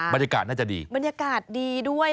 บรรยากาศน่าจะดีบรรยากาศดีด้วย